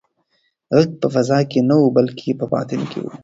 غږ په فضا کې نه و بلکې په باطن کې و.